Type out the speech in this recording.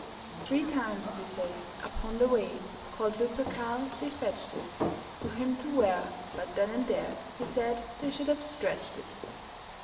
Three times, they say, upon the way Called Lupercal, they fetched it For him to wear, but then and there He said they should have stretched it.